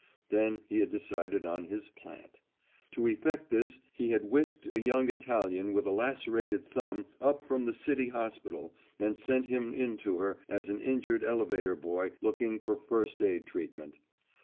Then he had decided on his "plant." To effect this he had whisked a young Italian with a lacerated thumb up from the City Hospital and sent him in to her as an injured elevator boy looking for first aid treatment.